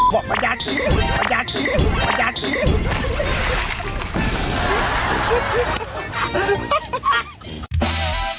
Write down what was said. บอกมาอยากกิน